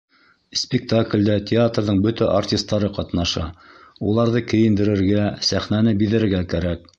Спектаклдә театрҙың бөтә артистары ҡатнаша, уларҙы кейендерергә, сәхнәне биҙәргә кәрәк.